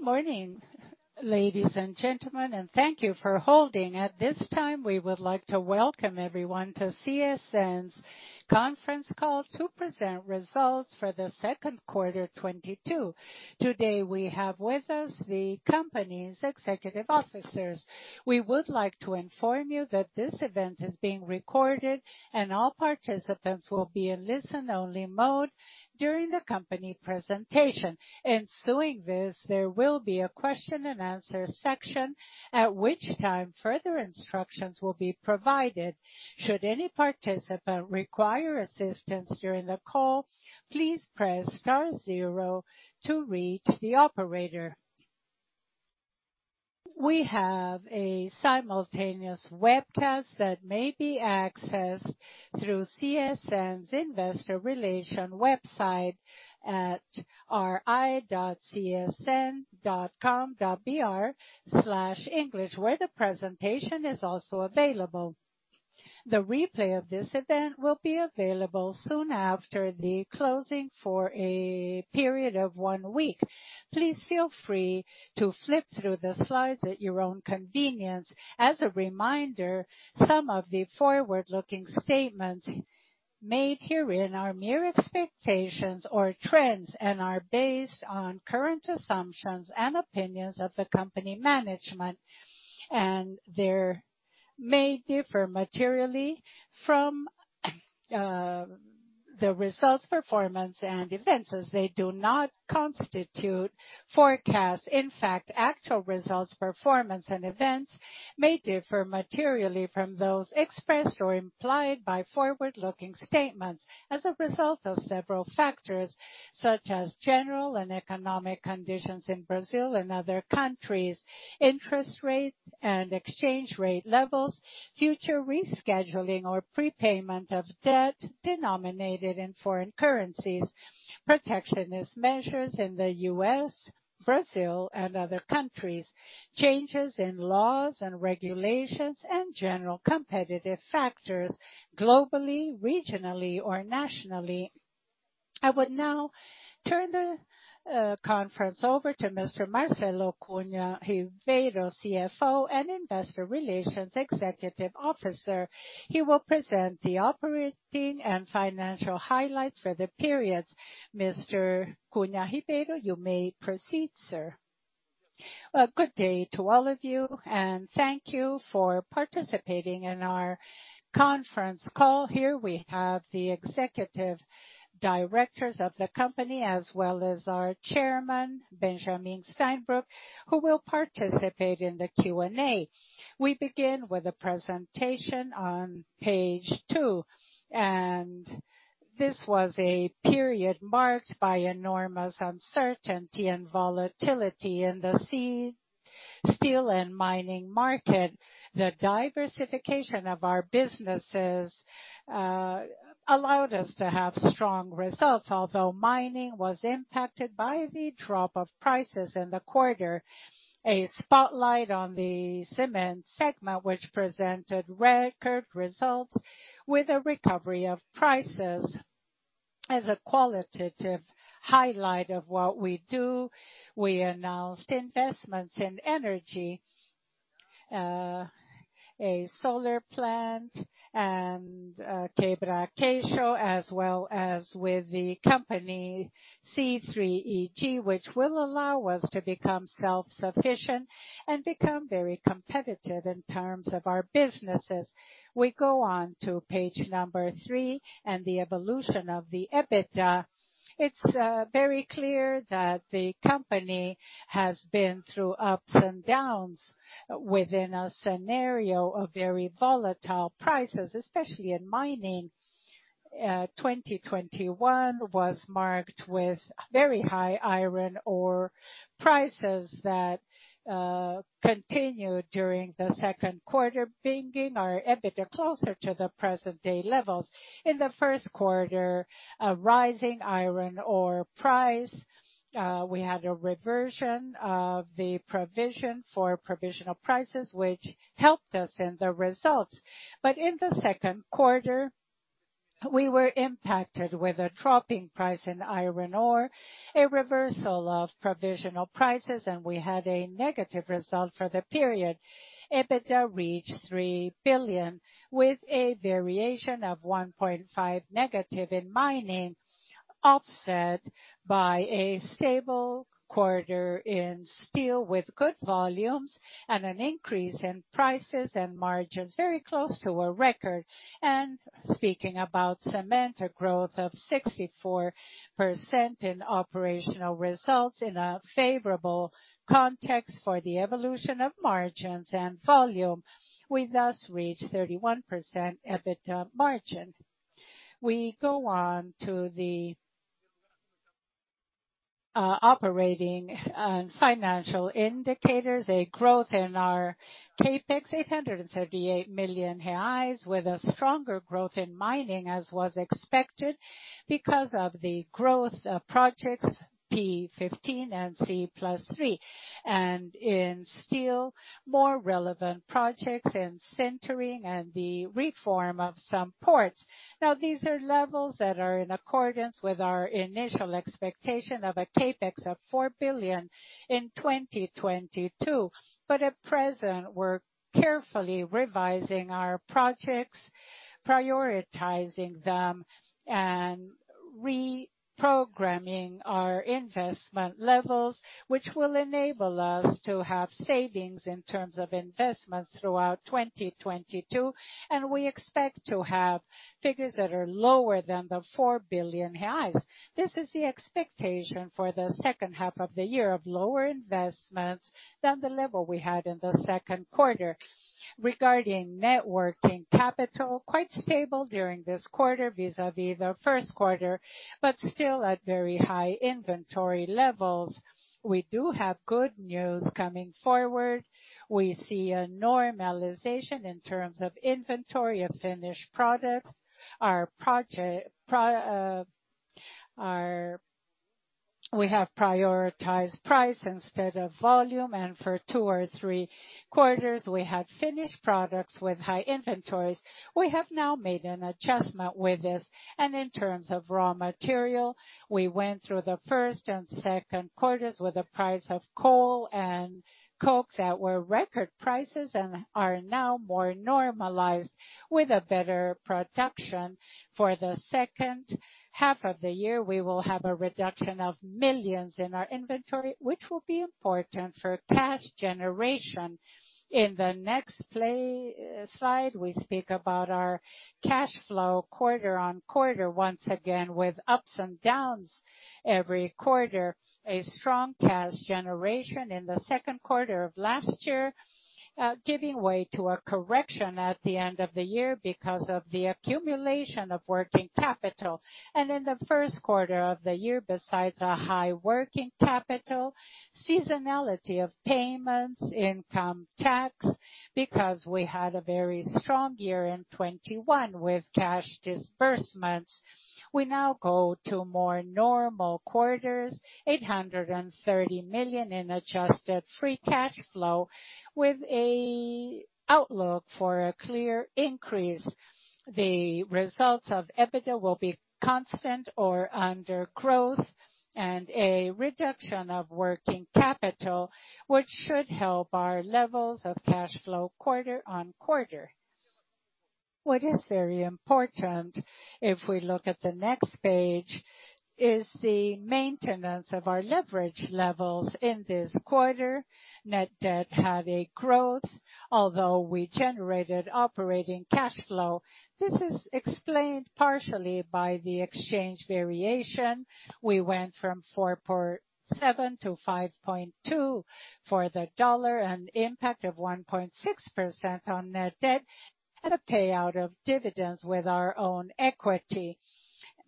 Good morning, ladies and gentlemen, and thank you for holding. At this time, we would like to welcome everyone to CSN's conference call to present results for the second quarter 2022. Today we have with us the company's executive officers. We would like to inform you that this event is being recorded and all participants will be in listen only mode during the company presentation. Ensuing this, there will be a question and answer section, at which time further instructions will be provided. Should any participant require assistance during the call, please press star zero to reach the operator. We have a simultaneous webcast that may be accessed through CSN's investor relation website at ri.csn.com.br/english, where the presentation is also available. The replay of this event will be available soon after the closing for a period of one week. Please feel free to flip through the slides at your own convenience. As a reminder, some of the forward-looking statements made herein are mere expectations or trends and are based on current assumptions and opinions of the company management and they may differ materially from the results, performance and events as they do not constitute forecasts. In fact, actual results, performance and events may differ materially from those expressed or implied by forward-looking statements as a result of several factors such as general and economic conditions in Brazil and other countries, interest rate and exchange rate levels, future rescheduling or prepayment of debt denominated in foreign currencies, protectionist measures in the U.S., Brazil and other countries, changes in laws and regulations and general competitive factors globally, regionally or nationally. I would now turn the conference over to Mr. Marcelo Cunha Ribeiro, CFO and Investor Relations Executive Officer. He will present the operating and financial highlights for the periods. Mr. Marcelo Cunha Ribeiro, you may proceed, sir. Well, good day to all of you, and thank you for participating in our conference call here. We have the executive directors of the company as well as our Chairman, Benjamin Steinbruch, who will participate in the Q&A. We begin with a presentation on page two, and this was a period marked by enormous uncertainty and volatility in the steel and mining market. The diversification of our businesses allowed us to have strong results, although mining was impacted by the drop of prices in the quarter. A spotlight on the cement segment, which presented record results with a recovery of prices. As a qualitative highlight of what we do, we announced investments in energy, a solar plant and Quebra-Queixo, as well as with the company CEEE-G which will allow us to become self-sufficient and become very competitive in terms of our businesses. We go on to page three and the evolution of the EBITDA. It's very clear that the company has been through ups and downs within a scenario of very volatile prices, especially in mining. 2021 was marked with very high iron ore prices that continued during the second quarter, bringing our EBITDA closer to the present day levels. In the first quarter, a rising iron ore price, we had a reversion of the provision for provisional prices, which helped us in the results. In the second quarter, we were impacted with a dropping price in iron ore, a reversal of provisional prices, and we had a negative result for the period. EBITDA reached 3 billion, with a variation of -1.5% in mining, offset by a stable quarter in steel with good volumes and an increase in prices and margins very close to a record. Speaking about cement, a growth of 64% in operational results in a favorable context for the evolution of margins and volume. We thus reach 31% EBITDA margin. We go on to the operating and financial indicators, a growth in our CapEx, 838 million reais, with a stronger growth in mining as was expected because of the growth of projects P15 and C plus three. In steel, more relevant projects in sintering and the reform of some ports. Now, these are levels that are in accordance with our initial expectation of a CapEx of 4 billion in 2022. At present, we're carefully revising our projects, prioritizing them and reprogramming our investment levels, which will enable us to have savings in terms of investments throughout 2022. We expect to have figures that are lower than the 4 billion reais. This is the expectation for the second half of the year of lower investments than the level we had in the second quarter. Regarding net working capital, quite stable during this quarter vis-a-vis the first quarter, but still at very high inventory levels. We do have good news coming forward. We see a normalization in terms of inventory of finished products. We have prioritized price instead of volume, and for two or three quarters, we had finished products with high inventories. We have now made an adjustment with this. In terms of raw material, we went through the first and second quarters with a price of coal and coke that were record prices and are now more normalized with a better production. For the second half of the year, we will have a reduction of millions in our inventory, which will be important for cash generation. In the next slide, we speak about our cash flow quarter-on-quarter, once again with ups and downs every quarter. A strong cash generation in the second quarter of last year, giving way to a correction at the end of the year because of the accumulation of working capital. In the first quarter of the year, besides a high working capital, seasonality of payments, income tax, because we had a very strong year in 2021 with cash disbursements. We now go to more normal quarters, 830 million in adjusted free cash flow, with an outlook for a clear increase. The results of EBITDA will be constant or under growth and a reduction of working capital, which should help our levels of cash flow quarter on quarter. What is very important, if we look at the next page, is the maintenance of our leverage levels in this quarter. Net debt had a growth, although we generated operating cash flow. This is explained partially by the exchange variation. We went from 4.7 to 5.2 for the dollar, an impact of 1.6% on net debt and a payout of dividends with our own equity.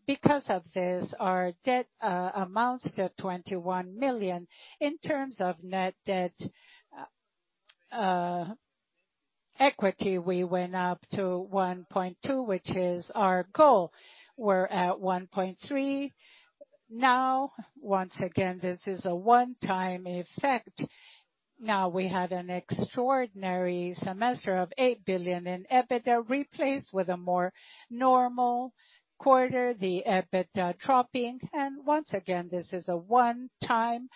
Because of this, our debt amounts to 21 million. In terms of net debt to equity, we went up to 1.2, which is our goal. We're at 1.3 now. Once again, this is a one-time effect. Now, we had an extraordinary semester of 8 billion in EBITDA replaced with a more normal quarter, the EBITDA dropping. Once again, this is a one-time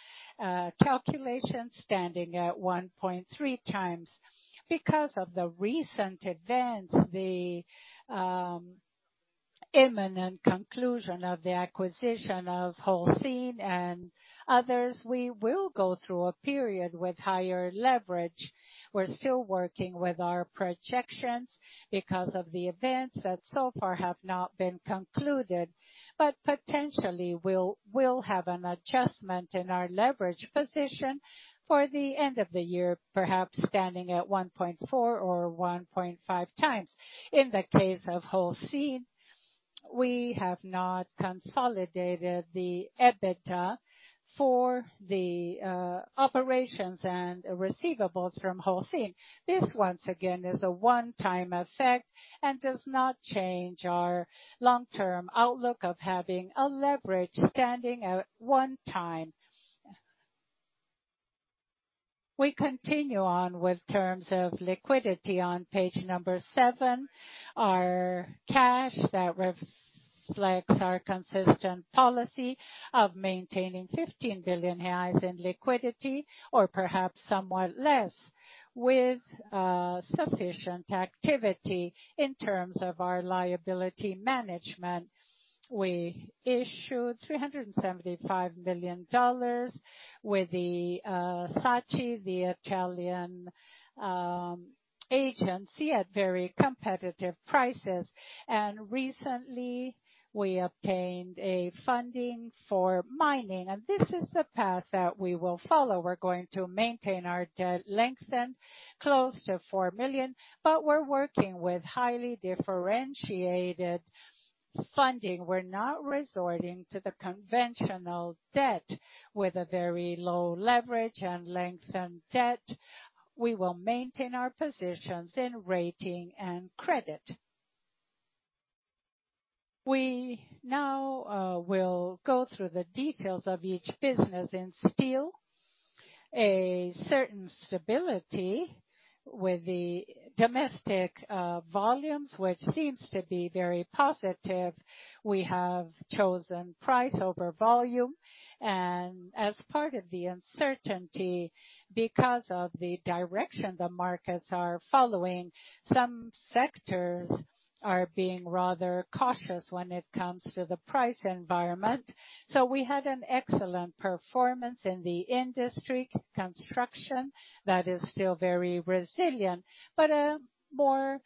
calculation standing at 1.3x. Because of the recent events, imminent conclusion of the acquisition ofHolcim and others, we will go through a period with higher leverage. We're still working with our projections because of the events that so far have not been concluded. Potentially, we'll have an adjustment in our leverage position for the end of the year, perhaps standing at 1.4x or 1.5x. In the case ofHolcim, we have not consolidated the EBITDA for the operations and receivables fromHolcim. This, once again, is a one-time effect and does not change our long-term outlook of having a leverage standing at 1x. We continue on with terms of liquidity on page seven. Our cash that reflects our consistent policy of maintaining 15 billion reais in liquidity or perhaps somewhat less with sufficient activity in terms of our liability management. We issued $375 million with the SACE, the Italian agency at very competitive prices. Recently, we obtained a funding for mining. This is the path that we will follow. We're going to maintain our debt maturities close to four years, but we're working with highly differentiated funding. We're not resorting to the conventional debt with a very low leverage and length and debt. We will maintain our positions in rating and credit. We now will go through the details of each business in steel. A certain stability with the domestic volumes, which seems to be very positive. We have chosen price over volume. As part of the uncertainty, because of the direction the markets are following, some sectors are being rather cautious when it comes to the price environment. We had an excellent performance in the industry construction that is still very resilient, but a more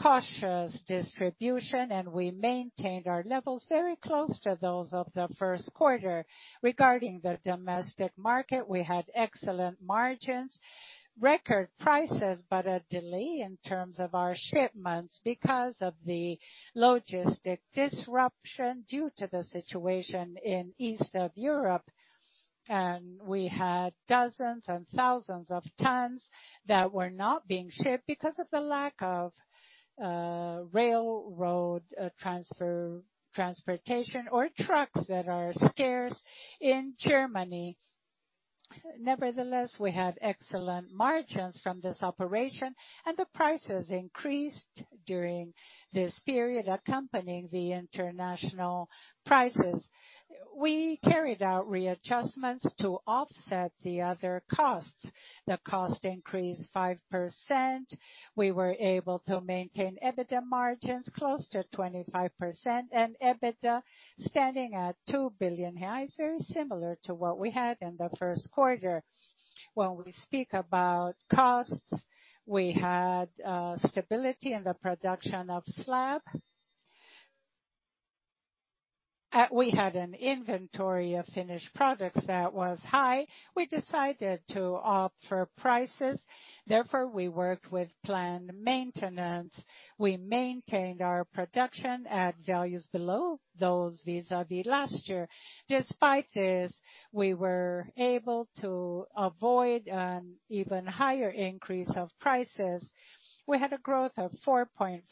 cautious distribution, and we maintained our levels very close to those of the first quarter. Regarding the domestic market, we had excellent margins, record prices, but a delay in terms of our shipments because of the logistic disruption due to the situation in Eastern Europe. We had dozens and thousands of tons that were not being shipped because of the lack of railroad transportation or trucks that are scarce in Germany. Nevertheless, we had excellent margins from this operation, and the prices increased during this period accompanying the international prices. We carried out readjustments to offset the other costs. The cost increased 5%. We were able to maintain EBITDA margins close to 25% and EBITDA standing at 2 billion reais, very similar to what we had in the first quarter. When we speak about costs, we had stability in the production of slab. We had an inventory of finished products that was high. We decided to opt for prices. Therefore, we worked with planned maintenance. We maintained our production at values below those vis-à-vis last year. Despite this, we were able to avoid an even higher increase of prices. We had a growth of 4.5%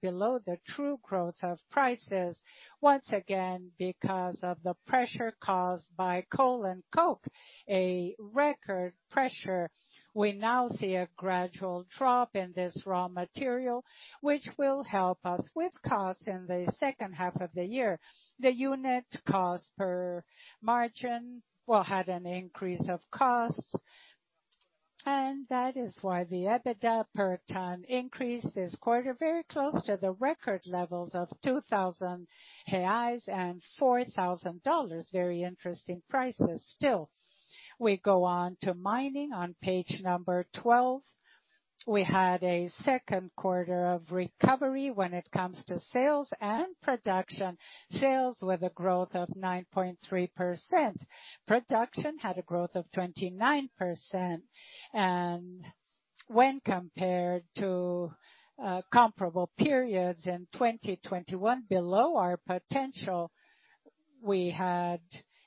below the true growth of prices, once again because of the pressure caused by coal and coke, a record pressure. We now see a gradual drop in this raw material, which will help us with costs in the second half of the year. The unit cost per margin, well, had an increase of costs, and that is why the EBITDA per ton increased this quarter, very close to the record levels of 2,000 reais and $4,000. Very interesting prices still. We go on to mining on page 12. We had a second quarter of recovery when it comes to sales and production. Sales with a growth of 9.3%. Production had a growth of 29%. When compared to comparable periods in 2021, below our potential, we had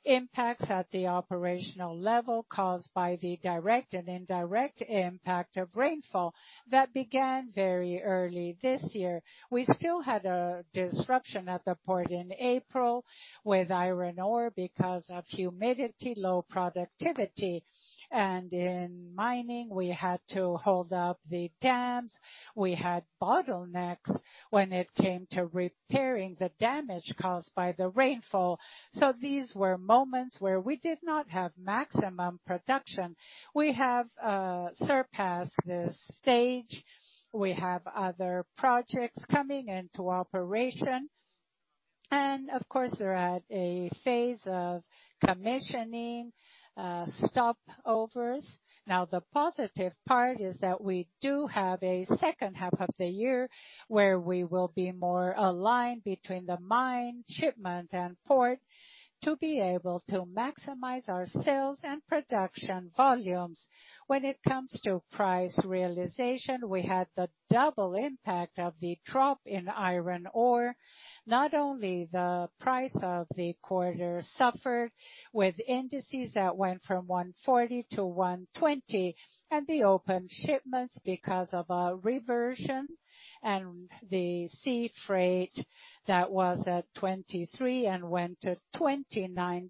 impacts at the operational level caused by the direct and indirect impact of rainfall that began very early this year. We still had a disruption at the port in April with iron ore because of humidity, low productivity. In mining, we had to hold up the dams. We had bottlenecks when it came to repairing the damage caused by the rainfall. These were moments where we did not have maximum production. We have surpassed this stage. We have other projects coming into operation. Of course, we're at a phase of commissioning stopovers. Now, the positive part is that we do have a second half of the year where we will be more aligned between the mine, shipment, and port to be able to maximize our sales and production volumes. When it comes to price realization, we had the double impact of the drop in iron ore. Not only the price of the quarter suffered with indices that went from 140 to 120 and the open shipments because of a reversion and the sea freight that was at $23 and went to $29.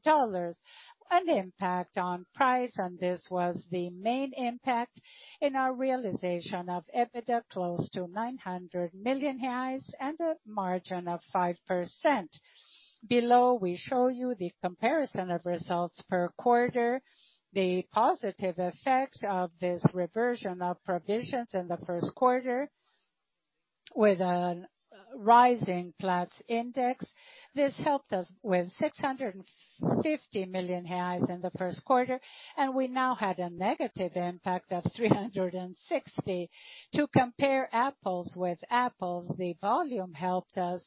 An impact on price, and this was the main impact in our realization of EBITDA, close to 900 million reais and a margin of 5%. Below, we show you the comparison of results per quarter, the positive effects of this reversion of provisions in the first quarter with a rising Platts index. This helped us with 650 million reais in the first quarter, and we now had a negative impact of 360 million. To compare apples with apples, the volume helped us,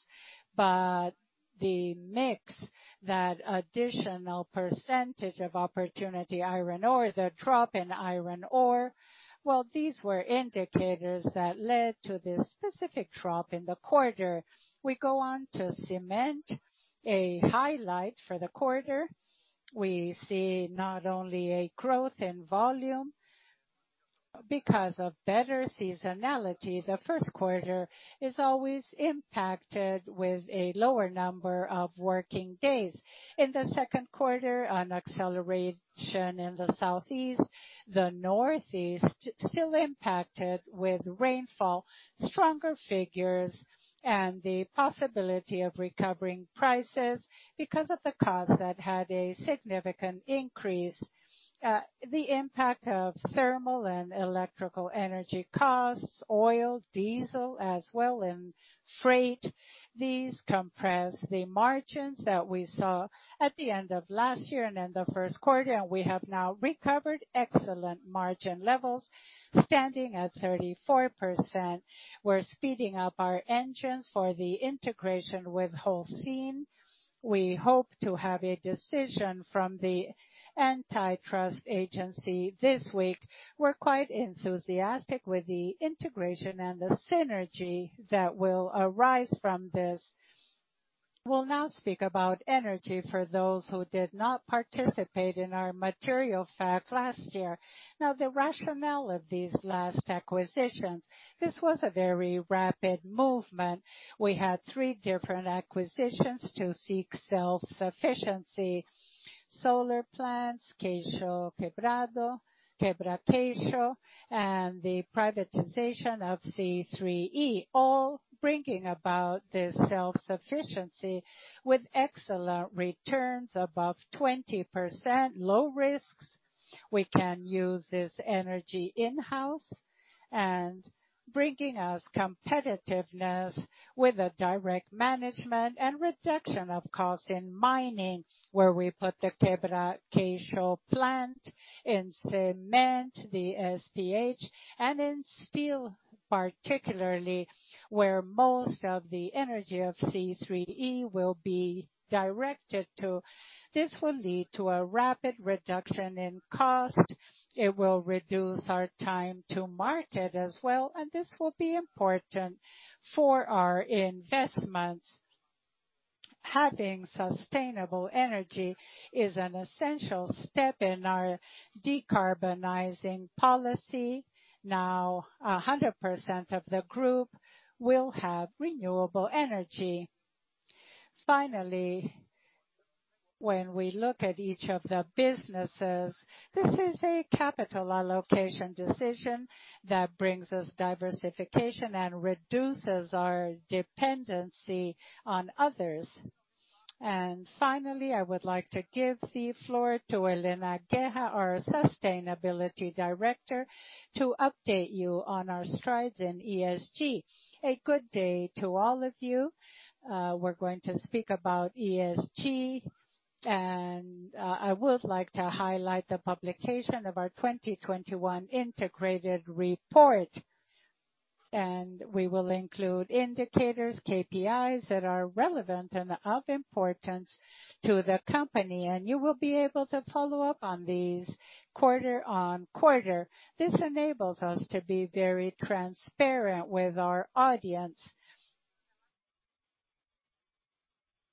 but the mix, that additional percentage of opportunity iron ore, the drop in iron ore, well, these were indicators that led to this specific drop in the quarter. We go on to cement, a highlight for the quarter. We see not only a growth in volume because of better seasonality. The first quarter is always impacted with a lower number of working days. In the second quarter, an acceleration in the Southeast, the Northeast still impacted with rainfall, stronger figures and the possibility of recovering prices because of the costs that had a significant increase. The impact of thermal and electrical energy costs, oil, diesel as well, and freight. These compress the margins that we saw at the end of last year and in the first quarter, and we have now recovered excellent margin levels, standing at 34%. We're speeding up our engines for the integration with Holcim. We hope to have a decision from the antitrust agency this week. We're quite enthusiastic with the integration and the synergy that will arise from this. We'll now speak about energy for those who did not participate in our material fact last year. The rationale of these last acquisitions, this was a very rapid movement. We had three different acquisitions to seek self-sufficiency. Solar plants, Quebra-Queixo, and the privatization of CEEE-G, all bringing about this self-sufficiency with excellent returns above 20%, low risks. We can use this energy in-house and bringing us competitiveness with a direct management and reduction of cost in mining, where we put the Quebra-Queixo plant, in cement, the SPH, and in steel, particularly where most of the energy of CEEE-G will be directed to. This will lead to a rapid reduction in cost. It will reduce our time to market as well, and this will be important for our investments. Having sustainable energy is an essential step in our decarbonizing policy. Now 100% of the group will have renewable energy. Finally, when we look at each of the businesses, this is a capital allocation decision that brings us diversification and reduces our dependency on others. Finally, I would like to give the floor to Helena Guerra, our Sustainability Director, to update you on our strides in ESG. A good day to all of you. We're going to speak about ESG, and I would like to highlight the publication of our 2021 integrated report. We will include indicators, KPIs that are relevant and of importance to the company, and you will be able to follow up on these quarter-over-quarter. This enables us to be very transparent with our audience.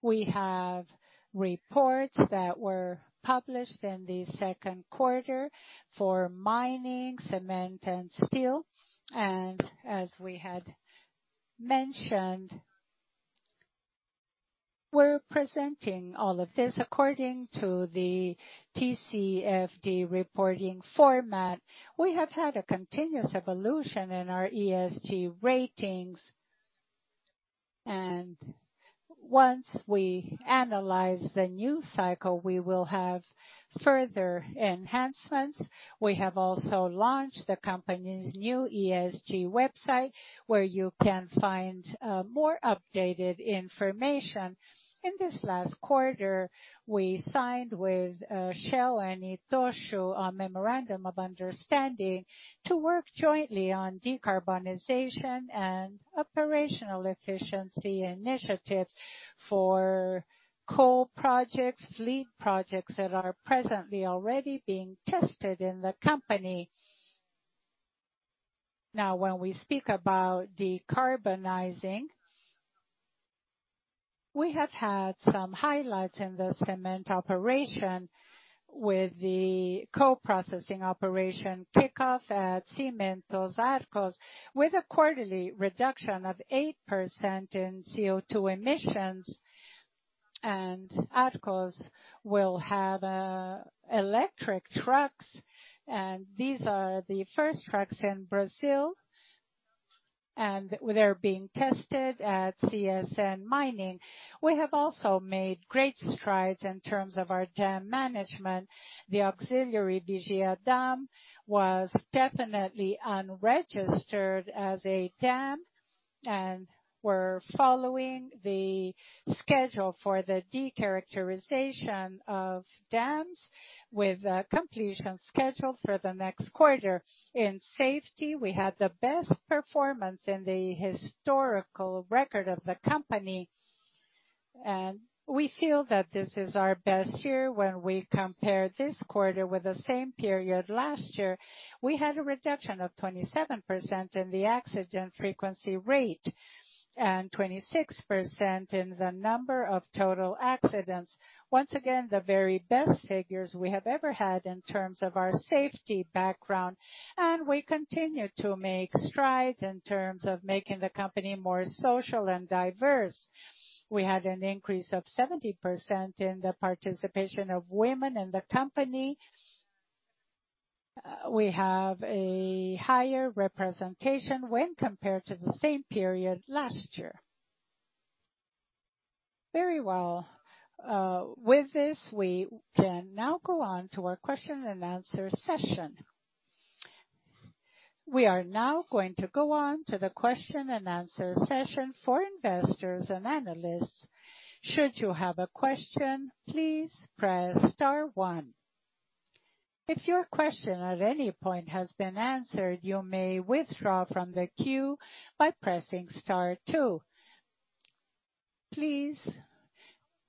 We have reports that were published in the second quarter for mining, cement and steel, and as we had mentioned, we're presenting all of this according to the TCFD reporting format. We have had a continuous evolution in our ESG ratings, and once we analyze the new cycle, we will have further enhancements. We have also launched the company's new ESG website, where you can find more updated information. In this last quarter, we signed with Shell and Itochu a memorandum of understanding to work jointly on decarbonization and operational efficiency initiatives for coal projects, lead projects that are presently already being tested in the company. Now, when we speak about decarbonizing, we have had some highlights in the cement operation with the co-processing operation kickoff at Cimentos Arcos with a quarterly reduction of 8% in CO2 emissions, and Arcos will have electric trucks, and these are the first trucks in Brazil, and they're being tested at CSN Mineração. We have also made great strides in terms of our dam management. The auxiliary B4 Dam was definitely unregistered as a dam, and we're following the schedule for the decharacterization of dams with a completion schedule for the next quarter. In safety, we had the best performance in the historical record of the company, and we feel that this is our best year when we compare this quarter with the same period last year. We had a reduction of 27% in the accident frequency rate and 26% in the number of total accidents. Once again, the very best figures we have ever had in terms of our safety background, and we continue to make strides in terms of making the company more social and diverse. We had an increase of 70% in the participation of women in the company. We have a higher representation when compared to the same period last year. Very well. With this, we can now go on to our question and answer session. We are now going to go on to the question and answer session for investors and analysts. Should you have a question, please press star one. If your question at any point has been answered, you may withdraw from the queue by pressing star two. Please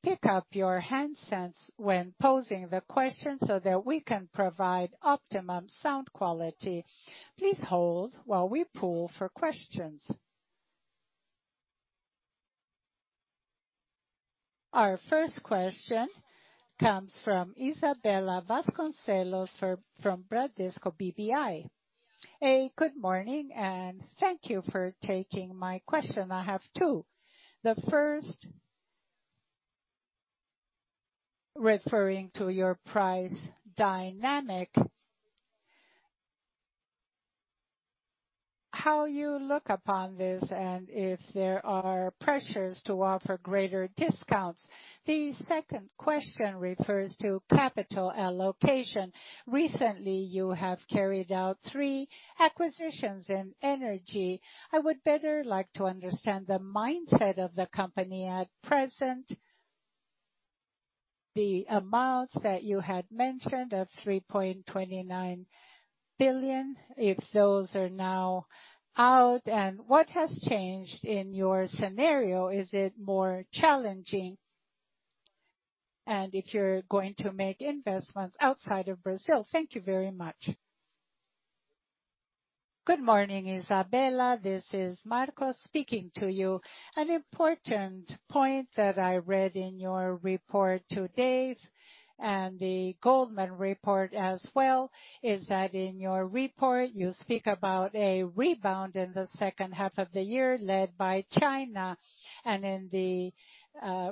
pick up your handsets when posing the question so that we can provide optimum sound quality. Please hold while we poll for questions. Our first question comes from Isabella Vasconcelos from Bradesco BBI. Good morning, and thank you for taking my question. I have two. The first refers to your price dynamic. How you look upon this, and if there are pressures to offer greater discounts. The second question refers to capital allocation. Recently, you have carried out three acquisitions in energy. I would better like to understand the mindset of the company at present. The amounts that you had mentioned of 3.29 billion, if those are now out, and what has changed in your scenario, is it more challenging? If you're going to make investments outside of Brazil. Thank you very much. Good morning, Isabella. This is Marcos speaking to you. An important point that I read in your report today and the Goldman Sachs report as well is that in your report, you speak about a rebound in the second half of the year, led by China. In the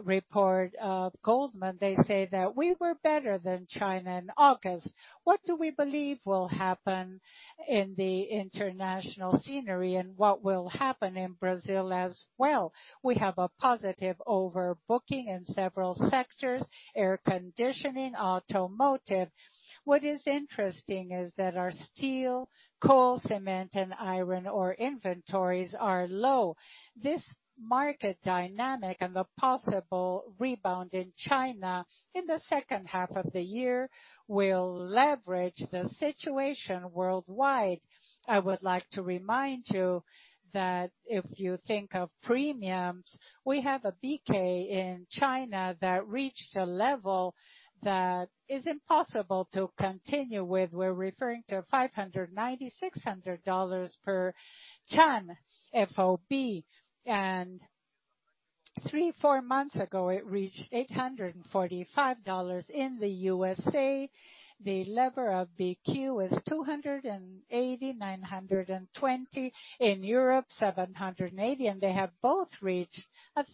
report of Goldman Sachs, they say that we were better than China in August. What do we believe will happen in the international scenario and what will happen in Brazil as well? We have a positive order book in several sectors, air conditioning, automotive. What is interesting is that our steel, coal, cement, and iron ore inventories are low. This market dynamic and the possible rebound in China in the second half of the year will leverage the situation worldwide. I would like to remind you that if you think of premiums, we have a peak in China that reached a level that is impossible to continue with. We're referring to $590-$600 per ton FOB. Three, four months ago, it reached $845. In the USA, the level of BQ is 280, 920. In Europe, 780, and they have both reached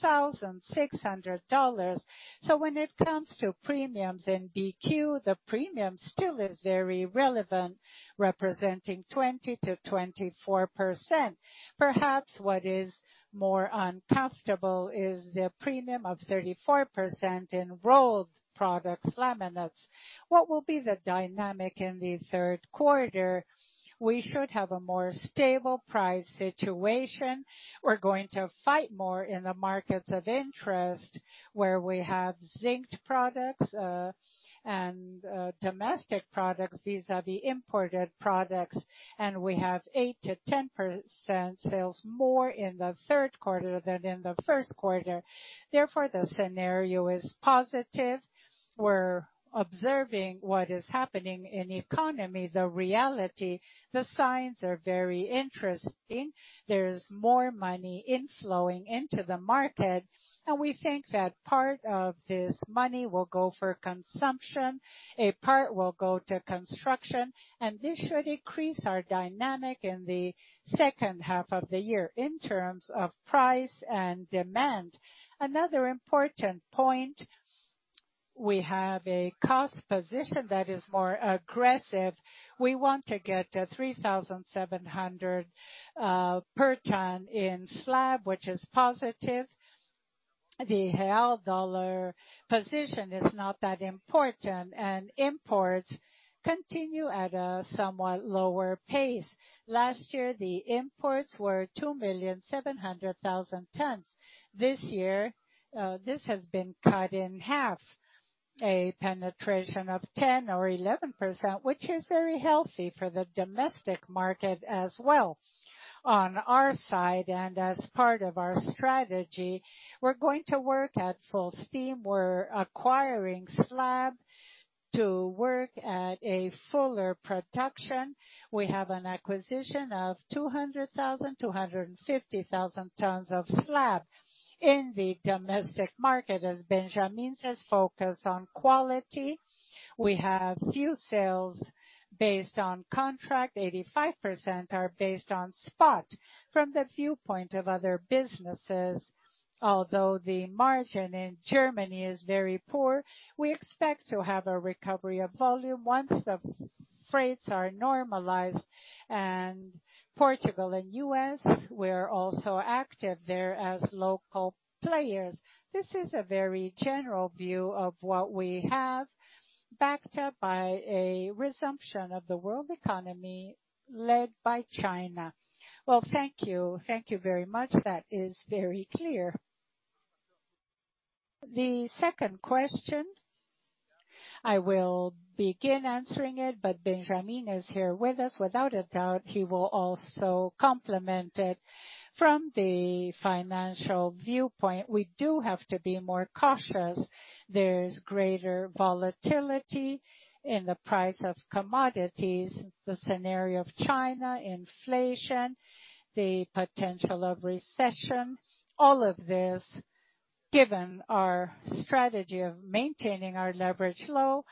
$1,600. When it comes to premiums in BQ, the premium still is very relevant, representing 20%-24%. Perhaps what is more uncomfortable is the premium of 34% in rolled products laminates. What will be the dynamic in the third quarter? We should have a more stable price situation. We're going to fight more in the markets of interest, where we have zinc products and domestic products. These are the imported products, and we have 8%-10% sales more in the third quarter than in the first quarter. Therefore, the scenario is positive. We're observing what is happening in the economy, the reality. The signs are very interesting. There's more money inflowing into the market, and we think that part of this money will go for consumption, a part will go to construction, and this should increase our dynamic in the second half of the year in terms of price and demand. Another important point, we have a cost position that is more aggressive. We want to get to 3,700 per ton in slab, which is positive. The real dollar position is not that important, and imports continue at a somewhat lower pace. Last year, the imports were 2,700,000 tons. This year, this has been cut in half. A penetration of 10% or 11%, which is very healthy for the domestic market as well. On our side, as part of our strategy, we're going to work at full steam. We're acquiring slab. To work at a fuller production, we have an acquisition of 200,000-250,000 tons of slab in the domestic market, as Benjamin says, focus on quality. We have few sales based on contract. 85% are based on spot from the viewpoint of other businesses. Although the margin in Germany is very poor, we expect to have a recovery of volume once the freights are normalized. Portugal and U.S., we're also active there as local players. This is a very general view of what we have, backed up by a resumption of the world economy led by China. Thank you. Thank you very much. That is very clear. The second question, I will begin answering it, but Benjamin is here with us. Without a doubt, he will also complement it. From the financial viewpoint, we do have to be more cautious. There's greater volatility in the price of commodities, the scenario of China, inflation, the potential of recession. All of this, given our strategy of maintaining our leverage low,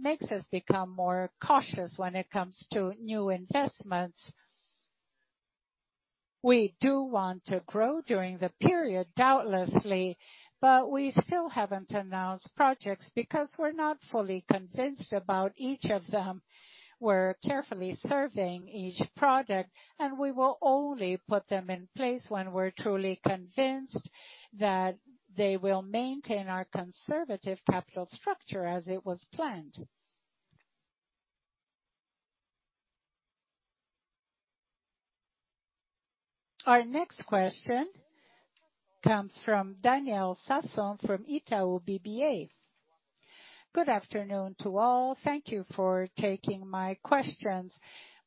makes us become more cautious when it comes to new investments. We do want to grow during the period, doubtlessly, but we still haven't announced projects because we're not fully convinced about each of them. We're carefully surveying each project, and we will only put them in place when we're truly convinced that they will maintain our conservative capital structure as it was planned. Our next question comes from Daniel Sasson from Itaú BBA. Good afternoon to all. Thank you for taking my questions.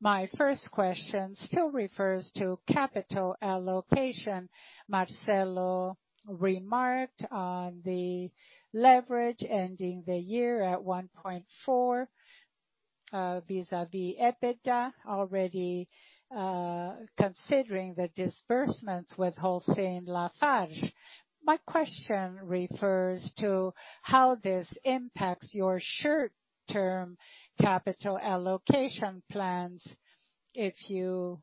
My first question still refers to capital allocation. Marcelo remarked on the leverage ending the year at 1.4 vis-à-vis EBITDA, already considering the disbursements with LafargeHolcim. My question refers to how this impacts your short-term capital allocation plans. If you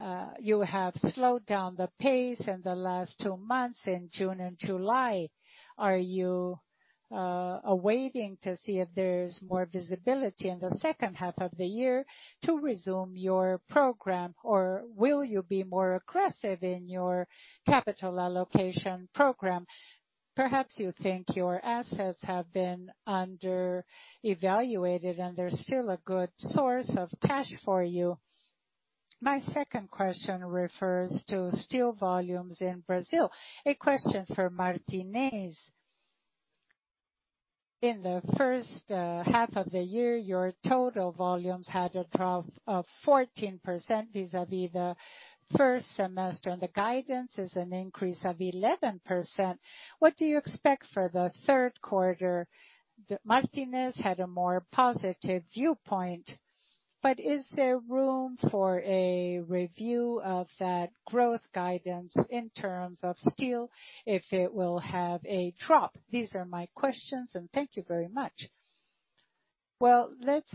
have slowed down the pace in the last two months, in June and July. Are you awaiting to see if there's more visibility in the second half of the year to resume your program? Or will you be more aggressive in your capital allocation program? Perhaps you think your assets have been under-evaluated, and they're still a good source of cash for you. My second question refers to steel volumes in Brazil. A question for Martinez. In the first half of the year, your total volumes had a drop of 14% vis-à-vis the first semester, and the guidance is an increase of 11%. What do you expect for the third quarter? Martinez had a more positive viewpoint, but is there room for a review of that growth guidance in terms of steel if it will have a drop? These are my questions, and thank you very much. Well, let's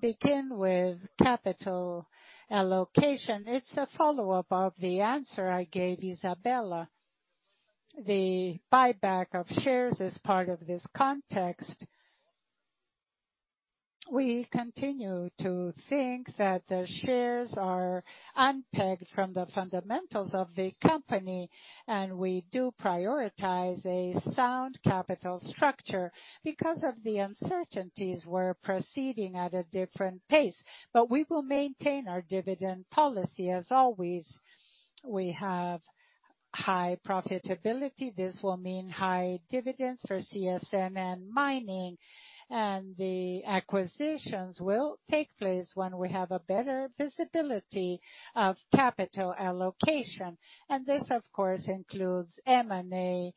begin with capital allocation. It's a follow-up of the answer I gave Isabella. The buyback of shares is part of this context. We continue to think that the shares are unpegged from the fundamentals of the company, and we do prioritize a sound capital structure. Because of the uncertainties, we're proceeding at a different pace, but we will maintain our dividend policy as always. We have high profitability. This will mean high dividends for CSN and mining. The acquisitions will take place when we have a better visibility of capital allocation. This, of course, includes M&A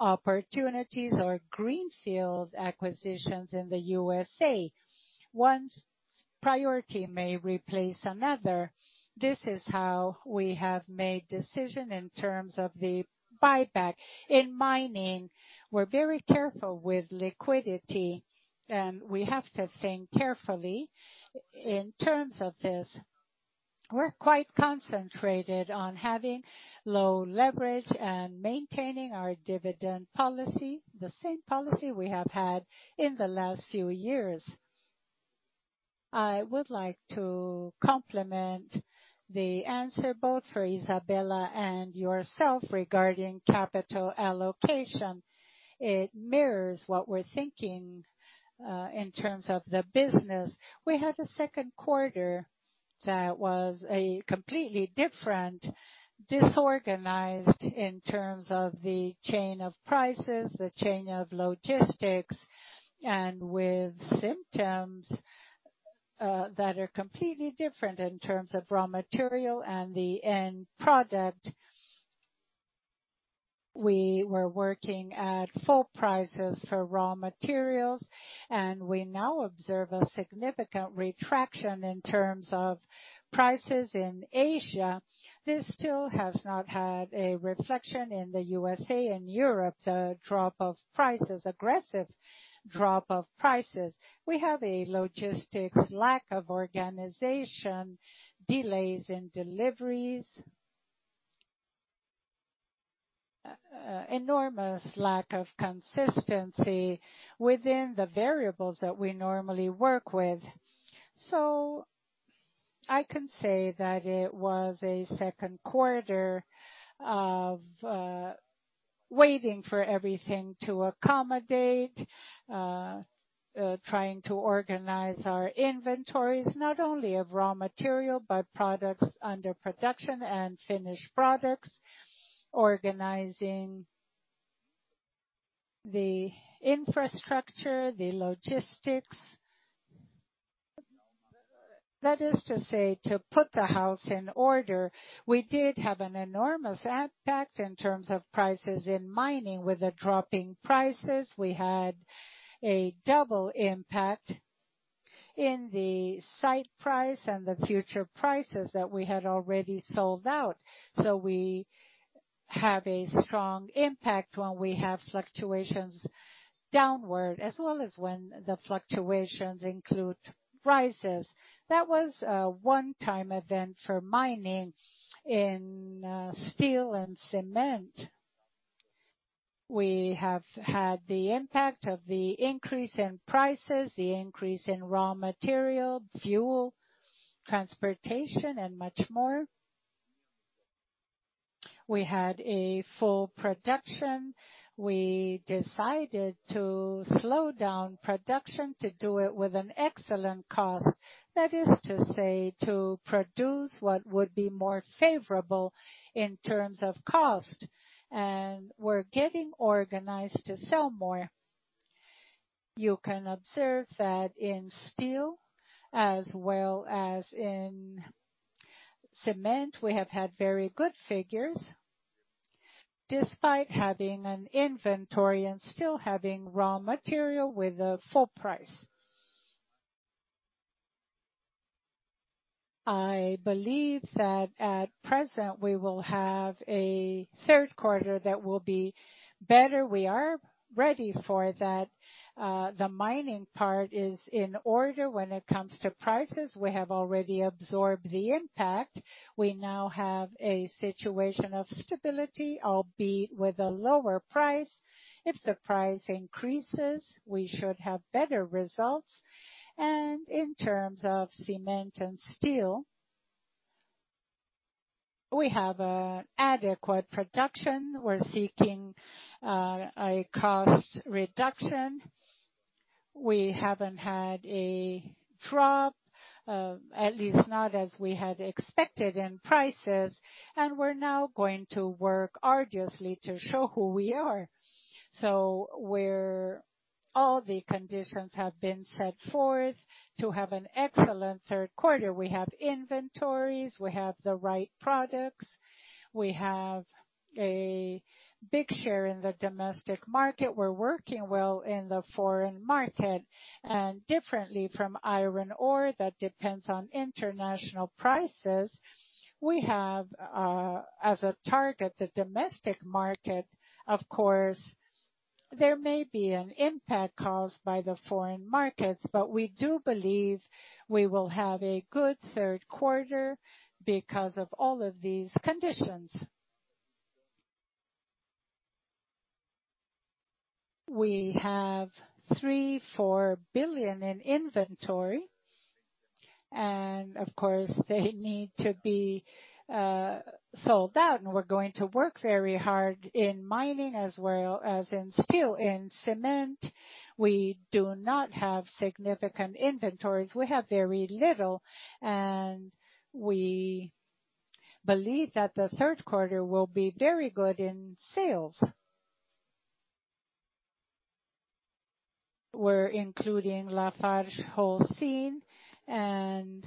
opportunities or greenfield acquisitions in the USA. One priority may replace another. This is how we have made decision in terms of the buyback. In mining, we're very careful with liquidity, and we have to think carefully in terms of this. We're quite concentrated on having low leverage and maintaining our dividend policy, the same policy we have had in the last few years. I would like to complement the answer both for Isabella and yourself regarding capital allocation. It mirrors what we're thinking, in terms of the business. We had a second quarter that was a completely different, disorganized in terms of the chain of prices, the chain of logistics, and with symptoms that are completely different in terms of raw material and the end product. We were working at full prices for raw materials, and we now observe a significant retraction in terms of prices in Asia. This still has not had a reflection in the U.S.A. and Europe, the drop of prices, aggressive drop of prices. We have a logistics lack of organization, delays in deliveries. Enormous lack of consistency within the variables that we normally work with. I can say that it was a second quarter of waiting for everything to accommodate, trying to organize our inventories, not only of raw material, but products under production and finished products, organizing the infrastructure, the logistics. That is to say, to put the house in order. We did have an enormous impact in terms of prices in mining. With the dropping prices, we had a double impact in the spot price and the futures prices that we had already sold out. We have a strong impact when we have fluctuations downward, as well as when the fluctuations include rises. That was a one-time event for mining in steel and cement. We have had the impact of the increase in prices, the increase in raw material, fuel, transportation and much more. We had full production. We decided to slow down production to do it with an excellent cost. That is to say, to produce what would be more favorable in terms of cost. We're getting organized to sell more. You can observe that in steel as well as in cement, we have had very good figures despite having an inventory and still having raw material with a full price. I believe that at present we will have a third quarter that will be better. We are ready for that. The mining part is in order. When it comes to prices, we have already absorbed the impact. We now have a situation of stability, albeit with a lower price. If the price increases, we should have better results. In terms of cement and steel, we have an adequate production. We're seeking a cost reduction. We haven't had a drop, at least not as we had expected in prices. We're now going to work arduously to show who we are. Where all the conditions have been set forth to have an excellent third quarter. We have inventories, we have the right products, we have a big share in the domestic market. We're working well in the foreign market. Differently from iron ore, that depends on international prices. We have, as a target, the domestic market. Of course, there may be an impact caused by the foreign markets, but we do believe we will have a good third quarter because of all of these conditions. We have 3 billion-4 billion in inventory, and of course they need to be sold out. We're going to work very hard in mining as well as in steel. In cement, we do not have significant inventories. We have very little, and we believe that the third quarter will be very good in sales. We're including LafargeHolcim, and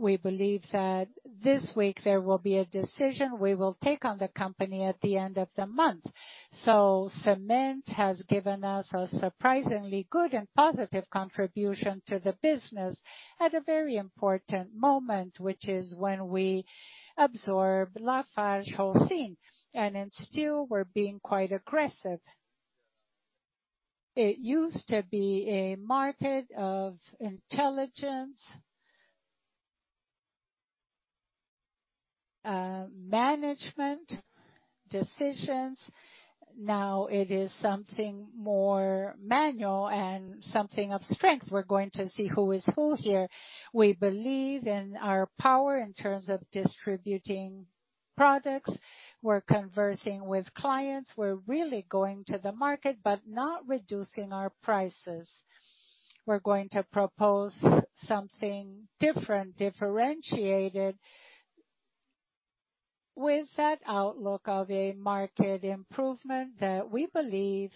we believe that this week there will be a decision we will take on the company at the end of the month. Cement has given us a surprisingly good and positive contribution to the business at a very important moment, which is when we absorb LafargeHolcim. In steel we're being quite aggressive. It used to be a market of intelligence, management decisions. Now it is something more manual and something of strength. We're going to see who is who here. We believe in our power in terms of distributing products. We're conversing with clients. We're really going to the market, but not reducing our prices. We're going to propose something different, differentiated with that outlook of a market improvement that we believe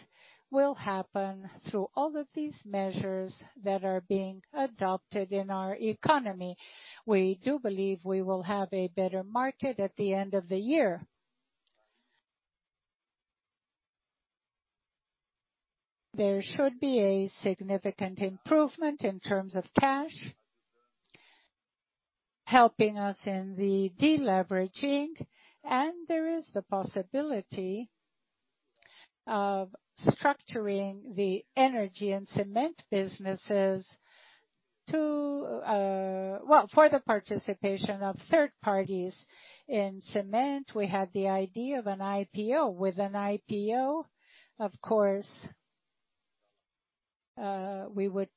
will happen through all of these measures that are being adopted in our economy. We do believe we will have a better market at the end of the year. There should be a significant improvement in terms of cash, helping us in the deleveraging, and there is the possibility of structuring the energy and cement businesses to, well, for the participation of third parties. In cement, we had the idea of an IPO. With an IPO, of course, we would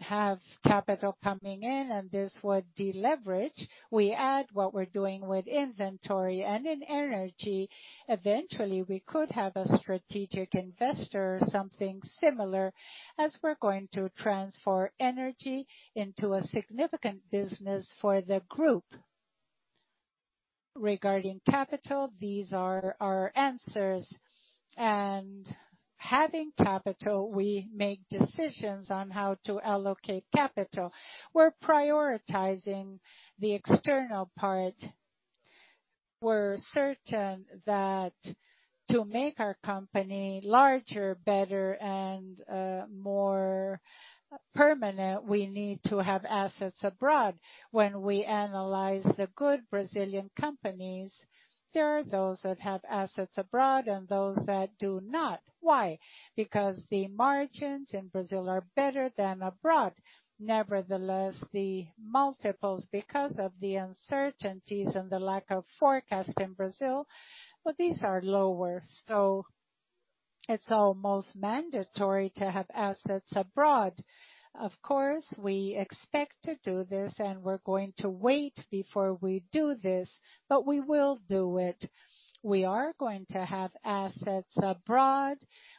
have capital coming in, and this would deleverage. We add what we're doing with inventory and in energy. Eventually, we could have a strategic investor or something similar, as we're going to transfer energy into a significant business for the group. Regarding capital, these are our answers. Having capital, we make decisions on how to allocate capital. We're prioritizing the external part. We're certain that to make our company larger, better, and more permanent, we need to have assets abroad. When we analyze the good Brazilian companies, there are those that have assets abroad and those that do not. Why? Because the margins in Brazil are better than abroad. Nevertheless, the multiples because of the uncertainties and the lack of forecast in Brazil, well, these are lower, so it's almost mandatory to have assets abroad. Of course, we expect to do this, and we're going to wait before we do this, but we will do it. We are going to have assets abroad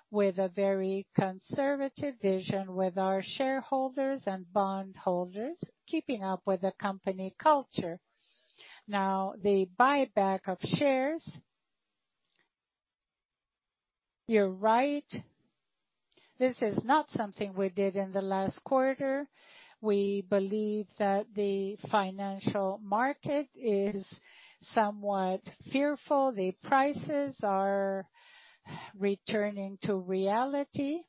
with a very conservative vision with our shareholders and bondholders, keeping up with the company culture. Now, the buyback of shares, you're right, this is not something we did in the last quarter. We believe that the financial market is somewhat fearful. The prices are returning to reality.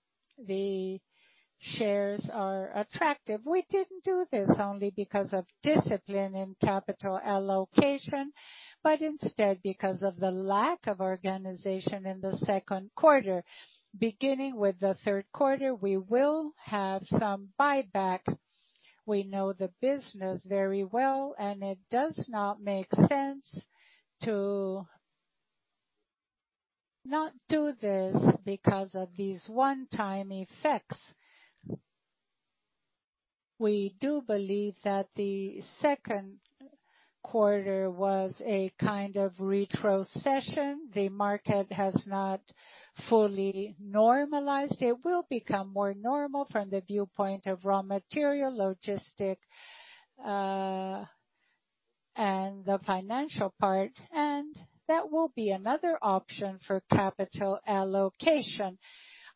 The shares are attractive. We didn't do this only because of discipline in capital allocation, but instead because of the lack of organization in the second quarter. Beginning with the third quarter, we will have some buyback. We know the business very well, and it does not make sense to not do this because of these one-time effects. We do believe that the second quarter was a kind of retrocession. The market has not fully normalized. It will become more normal from the viewpoint of raw material, logistics, and the financial part, and that will be another option for capital allocation.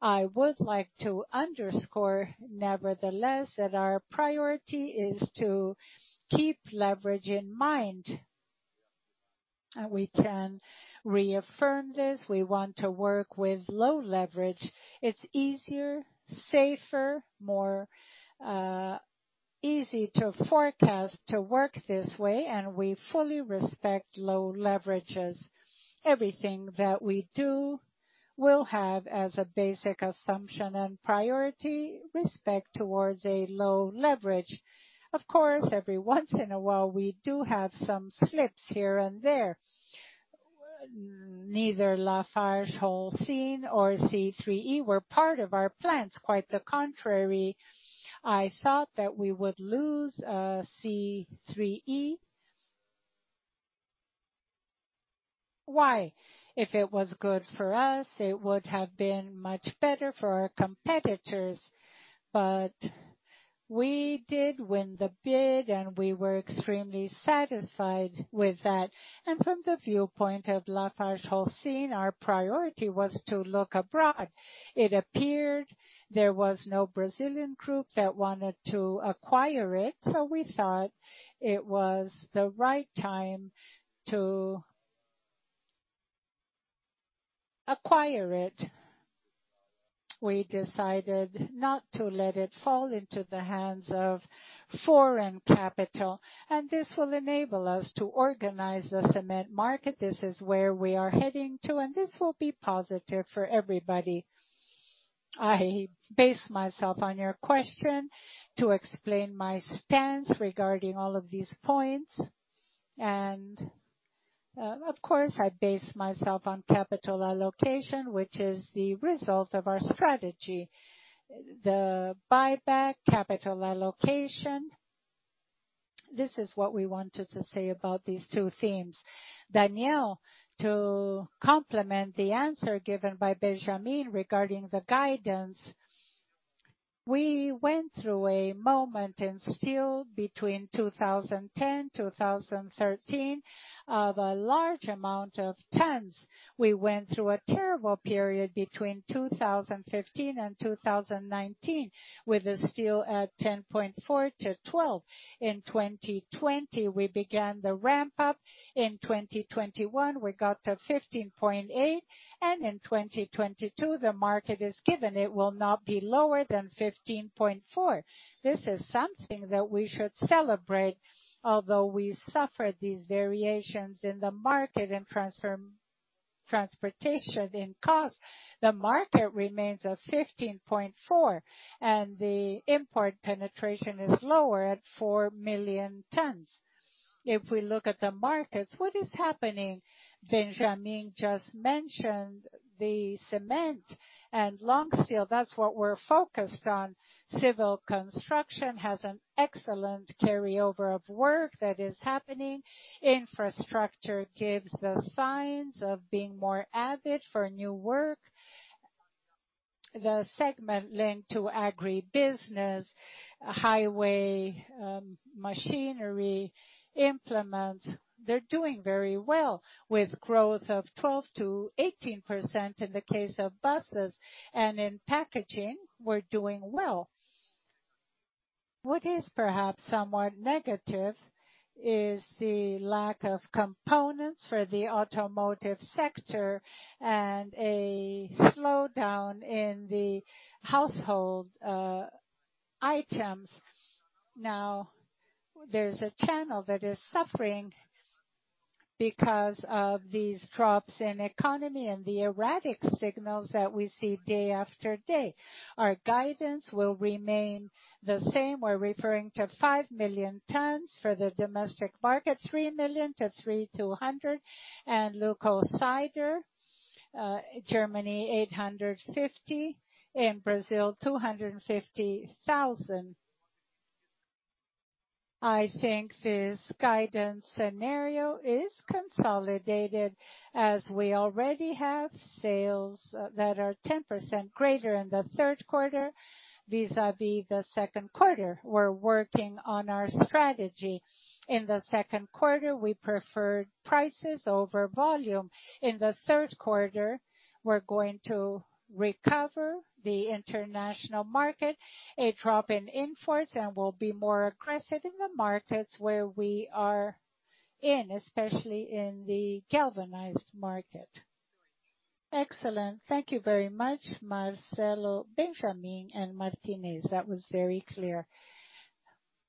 I would like to underscore, nevertheless, that our priority is to keep leverage in mind. We can reaffirm this. We want to work with low leverage. It's easier, safer, more easy to forecast to work this way, and we fully respect low leverages. Everything that we do will have as a basic assumption and priority respect towards a low leverage. Of course, every once in a while, we do have some slips here and there. Neither LafargeHolcim or CEEE-G were part of our plans. Quite the contrary, I thought that we would lose CEEE-G. Why? If it was good for us, it would have been much better for our competitors. We did win the bid, and we were extremely satisfied with that. From the viewpoint of LafargeHolcim, our priority was to look abroad. It appeared there was no Brazilian group that wanted to acquire it, so we thought it was the right time to acquire it. We decided not to let it fall into the hands of foreign capital, and this will enable us to organize the cement market. This is where we are heading to, and this will be positive for everybody. I base myself on your question to explain my stance regarding all of these points. Of course, I base myself on capital allocation, which is the result of our strategy. The buyback capital allocation, this is what we wanted to say about these two themes. Daniel, to complement the answer given by Benjamin regarding the guidance, we went through a moment in steel between 2010 and 2013 of a large amount of tons. We went through a terrible period between 2015 and 2019, with the steel at $10.4-$12. In 2020, we began the ramp up. In 2021, we got to $15.8, and in 2022, the market is given it will not be lower than $15.4. This is something that we should celebrate, although we suffered these variations in the market in transportation costs. The market remains at $15.4, and the import penetration is lower at 4 million tons. If we look at the markets, what is happening, Benjamin just mentioned the cement and long steel, that's what we're focused on. Civil construction has an excellent carryover of work that is happening. Infrastructure gives the signs of being more avid for new work. The segment linked to agribusiness, highway, machinery, implements, they're doing very well with growth of 12%-18% in the case of buses. In packaging, we're doing well. What is perhaps somewhat negative is the lack of components for the automotive sector and a slowdown in the household items. Now, there's a channel that is suffering because of these drops in economy and the erratic signals that we see day after day. Our guidance will remain the same. We're referring to 5 million tons for the domestic market, 3 million to 300, and Lusosider, Germany 850, in Brazil 250,000. I think this guidance scenario is consolidated as we already have sales that are 10% greater in the third quarter vis-a-vis the second quarter. We're working on our strategy. In the second quarter, we preferred prices over volume. In the third quarter, we're going to recover the international market, a drop in imports, and we'll be more aggressive in the markets where we are in, especially in the galvanized market. Excellent. Thank you very much, Marcelo, Benjamin, and Martinez. That was very clear.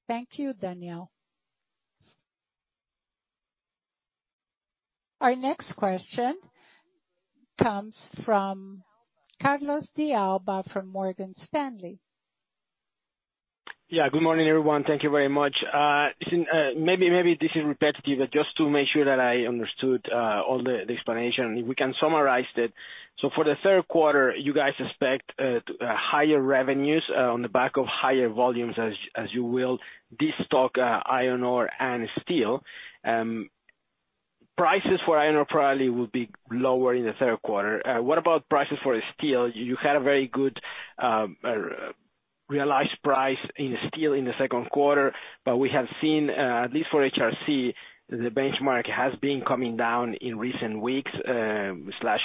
Thank you, Daniel. Our next question comes from Carlos de Alba from Morgan Stanley. Yeah, good morning, everyone. Thank you very much. Listen, maybe this is repetitive, but just to make sure that I understood all the explanation, if we can summarize it. For the third quarter, you guys expect higher revenues on the back of higher volumes as you will destock iron ore and steel. Prices for iron ore probably will be lower in the third quarter. What about prices for steel? You had a very good realized price in steel in the second quarter, but we have seen at least for HRC, the benchmark has been coming down in recent weeks or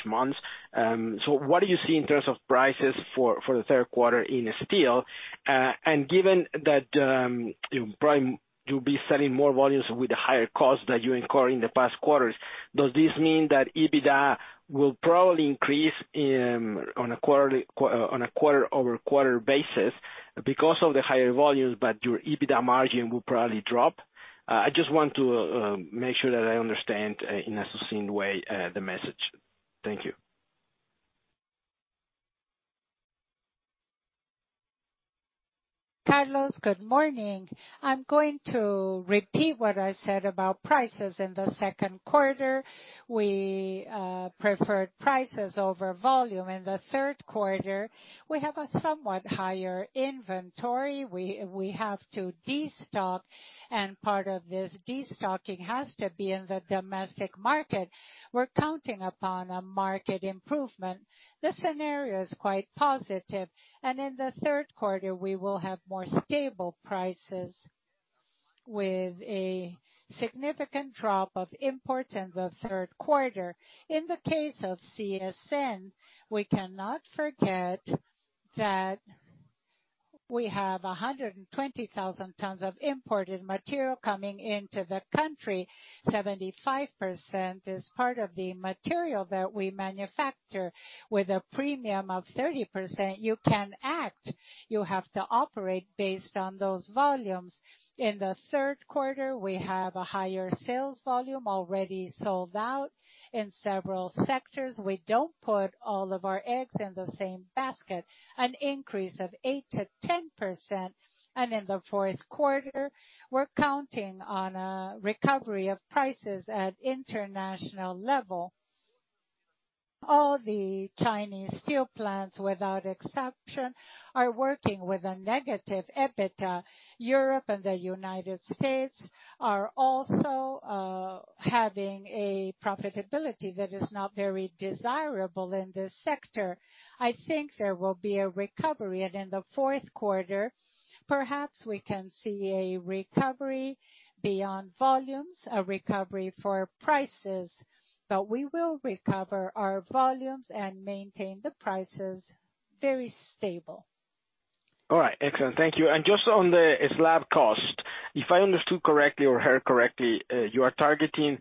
months. What do you see in terms of prices for the third quarter in steel? Given that you probably will be selling more volumes with the higher cost that you incur in the past quarters, does this mean that EBITDA will probably increase on a quarter-over-quarter basis because of the higher volumes, but your EBITDA margin will probably drop? I just want to make sure that I understand in a succinct way the message. Thank you. Carlos, good morning. I'm going to repeat what I said about prices in the second quarter. We preferred prices over volume. In the third quarter, we have a somewhat higher inventory. We have to destock, and part of this destocking has to be in the domestic market. We're counting upon a market improvement. The scenario is quite positive, and in the third quarter, we will have more stable prices with a significant drop of imports in the third quarter. In the case of CSN, we cannot forget that we have 120,000 tons of imported material coming into the country. 75% is part of the material that we manufacture. With a premium of 30%, you can act. You have to operate based on those volumes. In the third quarter, we have a higher sales volume already sold out in several sectors. We don't put all of our eggs in the same basket, an increase of 8%-10%. In the fourth quarter, we're counting on a recovery of prices at international level. All the Chinese steel plants, without exception, are working with a negative EBITDA. Europe and the United States are also having a profitability that is not very desirable in this sector. I think there will be a recovery. In the fourth quarter, perhaps we can see a recovery beyond volumes, a recovery for prices. We will recover our volumes and maintain the prices very stable. All right. Excellent. Thank you. Just on the slab cost. If I understood correctly or heard correctly, you are targeting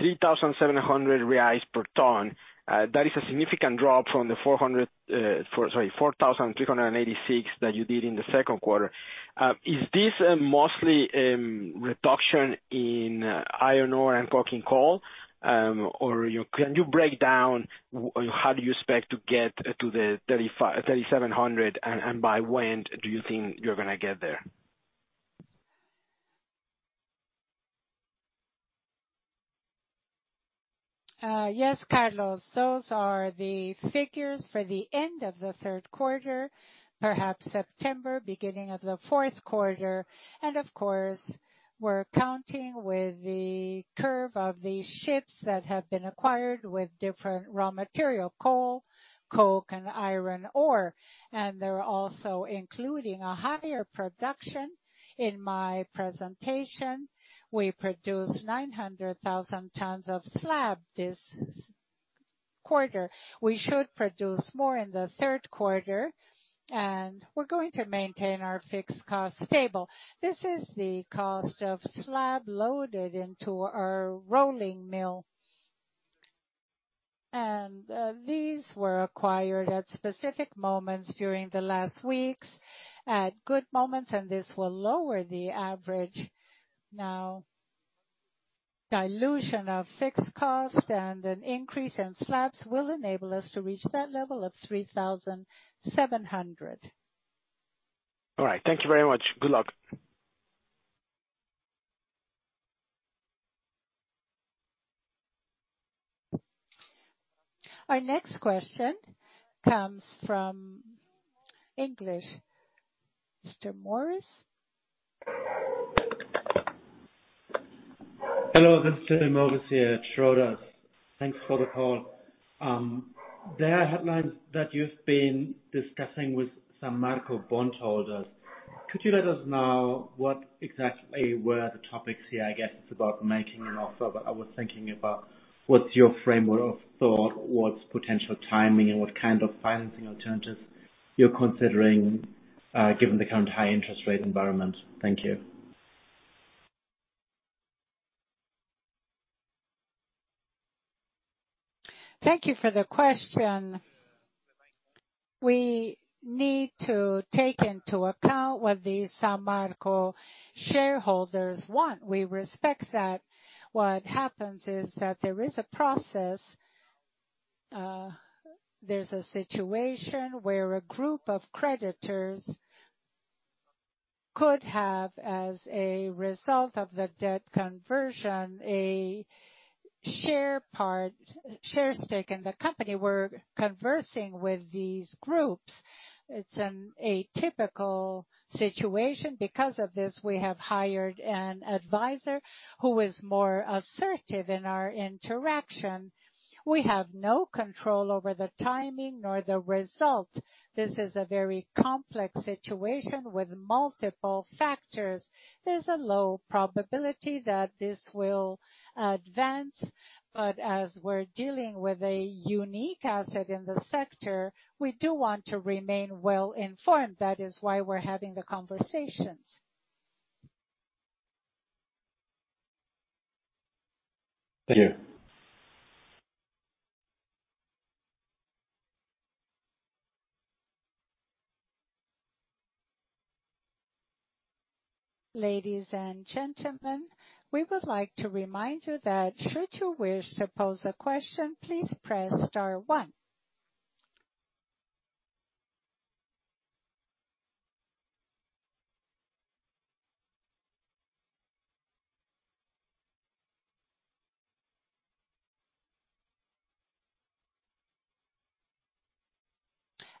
3,700 reais per ton. That is a significant drop from the 4,386 BRL that you did in the second quarter. Is this mostly reduction in iron ore and coking coal? Or can you break down how do you expect to get to the 3,700, and by when do you think you're gonna get there? Yes, Carlos, those are the figures for the end of the third quarter, perhaps September, beginning of the fourth quarter. Of course, we're counting with the curve of the shipments that have been acquired with different raw material, coal, coke and iron ore. They're also including a higher production. In my presentation, we produced 900,000 tons of slab this quarter. We should produce more in the third quarter, and we're going to maintain our fixed cost stable. This is the cost of slab loaded into our rolling mill. These were acquired at specific moments during the last weeks, at good moments, and this will lower the average. Now, dilution of fixed cost and an increase in slabs will enable us to reach that level of 3,700. All right. Thank you very much. Good luck. Our next question comes from English, Mr. Morris. Hello, this is Jay Morris here at Schroders. Thanks for the call. There are headlines that you've been discussing with Samarco bondholders. Could you let us know what exactly were the topics here? I guess it's about making an offer, but I was thinking about what's your framework of thought, what's potential timing and what kind of financing alternatives you're considering, given the current high interest rate environment. Thank you. Thank you for the question. We need to take into account what the Samarco shareholders want. We respect that. What happens is that there is a process. There's a situation where a group of creditors could have, as a result of the debt conversion, a share stake in the company. We're conversing with these groups. It's an atypical situation. Because of this, we have hired an advisor who is more assertive in our interaction. We have no control over the timing nor the result. This is a very complex situation with multiple factors. There's a low probability that this will advance, but as we're dealing with a unique asset in the sector, we do want to remain well-informed. That is why we're having the conversations. Thank you. Ladies and gentlemen, we would like to remind you that should you wish to pose a question, please press star one.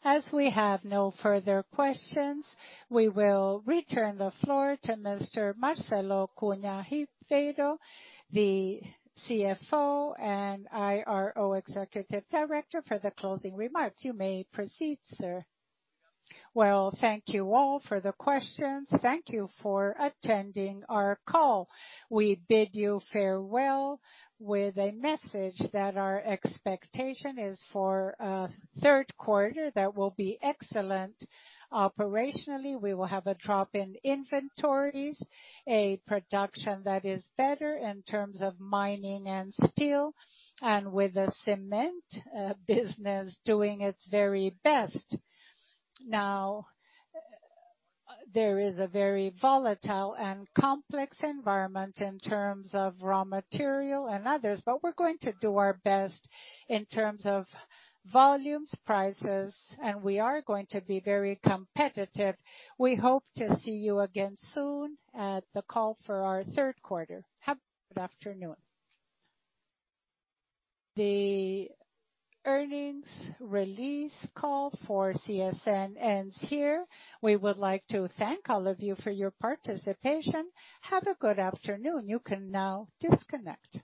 As we have no further questions, we will return the floor to Mr. Marcelo Cunha Ribeiro, the CFO and IRO executive director, for the closing remarks. You may proceed, sir. Well, thank you all for the questions. Thank you for attending our call. We bid you farewell with a message that our expectation is for a third quarter that will be excellent operationally. We will have a drop in inventories, a production that is better in terms of mining and steel, and with the cement business doing its very best. Now, there is a very volatile and complex environment in terms of raw material and others, but we're going to do our best in terms of volumes, prices, and we are going to be very competitive. We hope to see you again soon at the call for our third quarter. Have a good afternoon. The earnings release call for CSN ends here. We would like to thank all of you for your participation. Have a good afternoon. You can now disconnect.